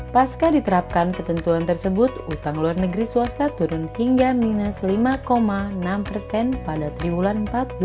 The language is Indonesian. pasca diterapkan ketentuan tersebut utang luar negeri swasta turun hingga minus lima enam pada tribulan empat dua ribu enam belas